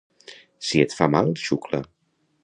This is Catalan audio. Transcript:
Si et fa mal, xucla.